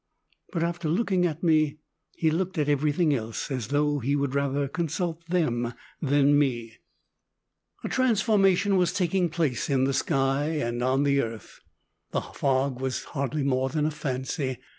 But after looking at me, he looked at everything else, as though he would rather consult them than me. A transformation was taking place in the sky and on the earth. The fog was hardly more than a fancy.